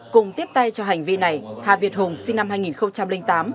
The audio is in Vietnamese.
cùng tiếp tay cho hành vi này hà việt hùng sinh năm hai nghìn tám